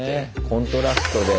コントラストで。